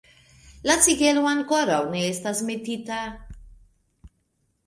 La sigelo ankoraŭ ne estas metita.